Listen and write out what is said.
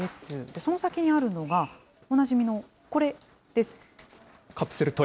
その先にあるのが、おなじみのこカプセルトイ。